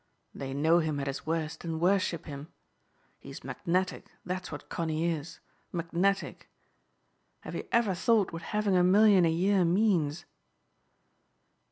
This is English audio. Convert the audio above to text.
They know him at his worst and worship him. He's magnetic, that's what Connie is, magnetic. Have you ever thought what having a million a year means?"